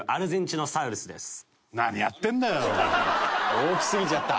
大きすぎちゃった。